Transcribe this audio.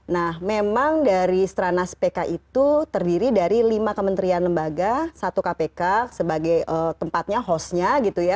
nah memang dari stranas pk itu terdiri dari lima kementerian lembaga satu kpk sebagai tempatnya hostnya gitu ya